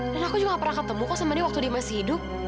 dan aku juga gak pernah ketemu kau sama dia waktu dia masih hidup